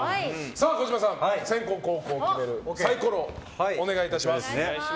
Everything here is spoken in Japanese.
児嶋さん、先攻・後攻を決めるサイコロをお願いします。